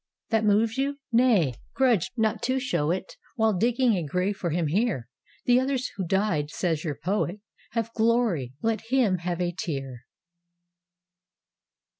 That moves you? Nay, grudge not to show it. While digging a grave for him here The others who died, says your poet. Have glory — let him have a tear.